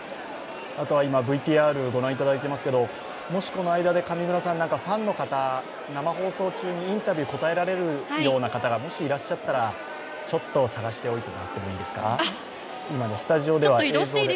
今、ＶＴＲをご覧いただいていますけれども、この間でファンの方に生放送中にインタビュー答えられるような方がもしいらっしゃったら、探しておいてもらっていいですか。